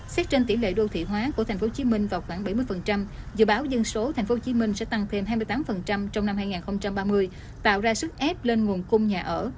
xét trên tỷ lệ đô thị hóa của thành phố hồ chí minh vào khoảng bảy mươi dự báo dân số thành phố hồ chí minh sẽ tăng thêm hai mươi tám trong năm hai nghìn ba mươi tạo ra sức ép lên nguồn cung nhà ở